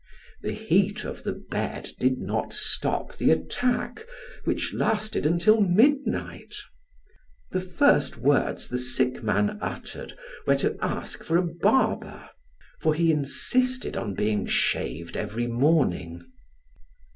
The heat of the bed did not stop the attack, which lasted until midnight. The first words the sick man uttered were to ask for a barber, for he insisted on being shaved every morning.